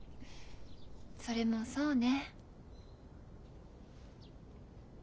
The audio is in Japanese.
それもそうね。